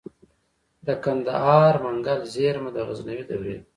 د کندهار منگل زیرمه د غزنوي دورې ده